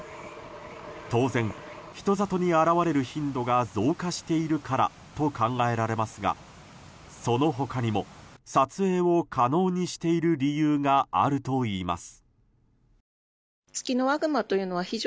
当然、人里に現れる頻度が増加しているからと考えられますが、その他にも撮影を可能にしている理由があるといいます。